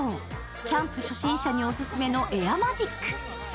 キャンプ初心者にオススメのエアマジック。